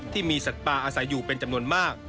ที่มีสัตว์ป่าอาศัยอยู่เป็นจำนวนมาก